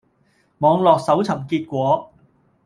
網絡搜尋結果